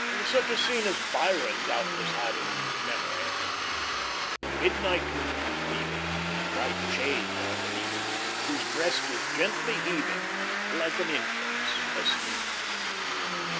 Such a scene as Byron doubtless had in memory: "The midnight moon is weaving Her bright chain o'er the deep; Whose breast is gently heaving Like an infant's asleep."